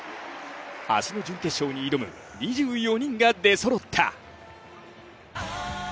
明日の準決勝に挑む２４人が出そろった。